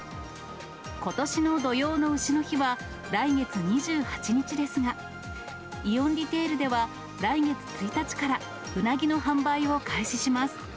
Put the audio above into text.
ことしの土用のうしの日は、来月２８日ですが、イオンリテールでは来月１日から、うなぎの販売を開始します。